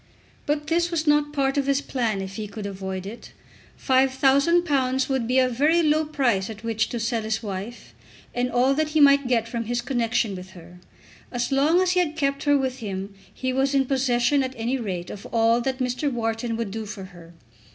But this was not part of his plan, if he could avoid it. £5000 would be a very low price at which to sell his wife, and all that he might get from his connection with her. As long as he kept her with him he was in possession at any rate of all that Mr. Wharton would do for her.